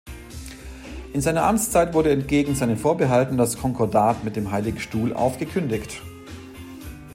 In seiner Amtszeit wurde entgegen seinen Vorbehalten das Konkordat mit dem Heiligen Stuhl aufgekündigt.